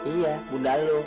iya bunda lu